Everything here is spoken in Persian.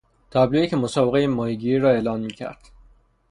تابلویی که مسابقهی ماهیگیری را اعلان میکرد